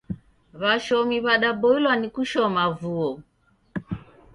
W'ashomi w'adaboilwa ni kushoma vuo.